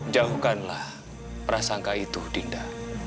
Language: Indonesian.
jauhkanlah prasangka itu dinda